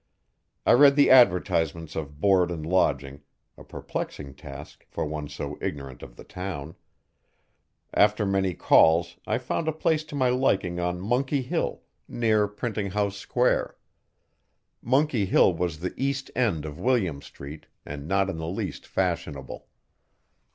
I read the advertisements of board and lodging a perplexing task for one so ignorant of the town. After many calls I found a place to my liking on Monkey Hill, near Printing House Square. Monkey Hill was the east end of William Street, and not in the least fashionable.